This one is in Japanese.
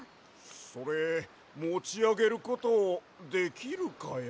それもちあげることできるかや？